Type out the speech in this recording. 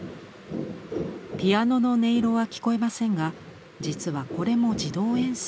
ピアノの音色は聞こえませんが実はこれも自動演奏。